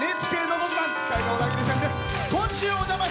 「ＮＨＫのど自慢」。